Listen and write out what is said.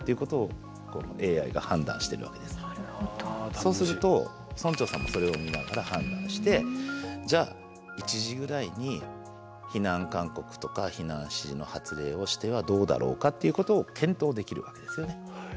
そうすると村長さんもそれを見ながら判断してじゃあ１時ぐらいに避難勧告とか避難指示の発令をしてはどうだろうかっていうことを検討できるわけですよね。